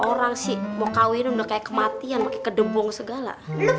orang sih mau kawin udah kayak kematian pake kek debong segala